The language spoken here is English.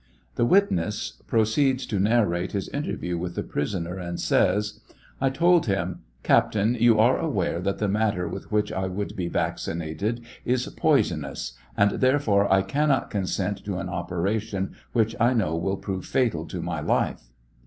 The witness proceeds to narrate his interview with the prisoner and says : I told him, " Captain, you are aware that the matter with which I would be vaccinated is poisonous and therefore I cannot consent to an operation which I know will prove fatal to ■: my life.